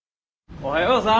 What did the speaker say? おはようさん。